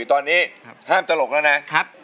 เพลงแรกนี้มีมูลค่า๕๐๐๐บาทนะครับ